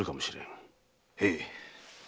へい。